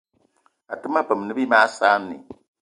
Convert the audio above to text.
Até ma peum ne bí mag saanì